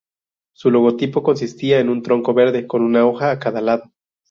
Su logotipo consistía en un tronco verde con una hoja a cada lado.